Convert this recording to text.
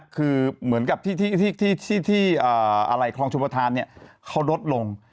ก็เหมือนกับที่ครองชมพทานเขารดลง